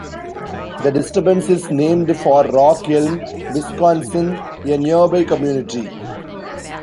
The disturbance is named for Rock Elm, Wisconsin, a nearby community.